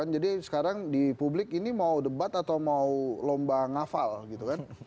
jadi sekarang di publik ini mau debat atau mau lomba ngafal gitu kan